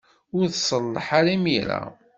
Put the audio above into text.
Ur tselleḥ ara imir-a.